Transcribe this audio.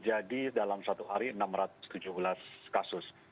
dalam satu hari enam ratus tujuh belas kasus